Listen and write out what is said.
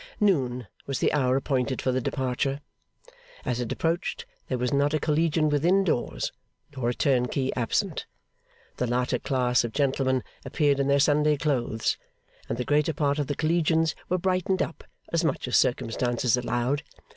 Noon was the hour appointed for the departure. As it approached, there was not a Collegian within doors, nor a turnkey absent. The latter class of gentlemen appeared in their Sunday clothes, and the greater part of the Collegians were brightened up as much as circumstances allowed.